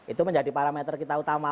itu menjadi parameter kita utama